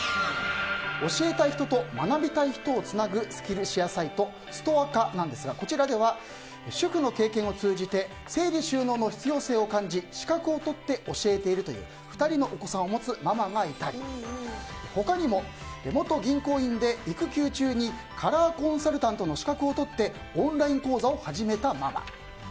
教えたい人と学びたい人をつなぐスキルシェアサイトストアカなんですがこちらでは主婦の経験を通じて整理収納の必要性を感じ資格を取って教えているという２人のお子さんを持つママがいたり他にも、元銀行員で育休中にカラーコンサルタントの資格を取ってオンライン講座を始めたママ。